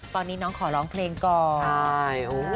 ตอนนี้น้องขอร้องเพลงก่อนใช่